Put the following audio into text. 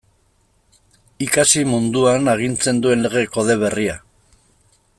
Ikasi munduan agintzen duen Lege Kode berria.